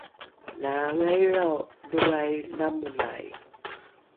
laangailrao dholrai lamolai